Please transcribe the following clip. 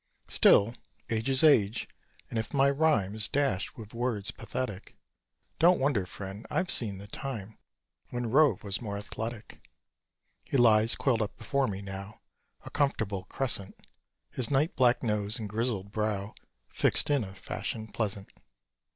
Still, age is age; and if my rhyme Is dashed with words pathetic, Don't wonder, friend; I've seen the time When Rove was more athletic. He lies coiled up before me now, A comfortable crescent. His night black nose and grizzled brow Fixed in a fashion pleasant.